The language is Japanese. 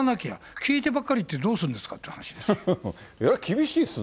聞いてばっかりいて、どうするんですかっていう話ですよ。